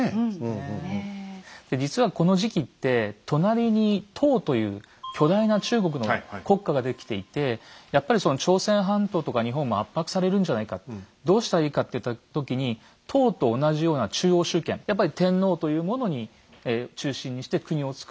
で実はこの時期って隣に唐という巨大な中国の国家ができていてやっぱり朝鮮半島とか日本も圧迫されるんじゃないかどうしたらいいかといった時に唐と同じような中央集権やっぱり天皇というものに中心にして国をつくろう。